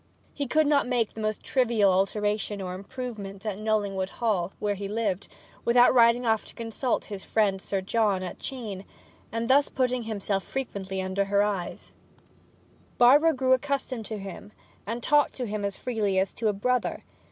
He could not make the most trivial alteration or improvement at Knollingwood Hall, where he lived, without riding off to consult with his friend Sir John at Chene; and thus putting himself frequently under her eyes, Barbara grew accustomed to him, and talked to him as freely as to a brother.